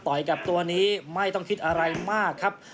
กับตัวนี้ไม่ต้องคิดอะไรมากครับ